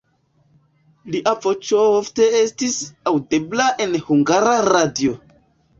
Lia voĉo ofte estis aŭdebla en Hungara Radio.